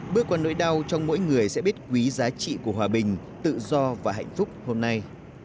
bước qua nỗi đau trong mỗi người sẽ biết quý giá trị của hòa bình tự do và hạnh phúc hôm nay